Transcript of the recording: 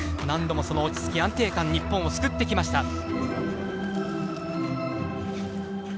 何度もその落ち着き、安定感で日本を救ってきました。